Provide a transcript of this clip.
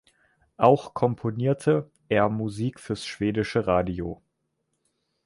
Auch komponierte er Musik fürs schwedische Radio.